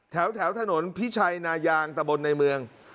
แถวถนนพิชัยนายางตะบนในเมือง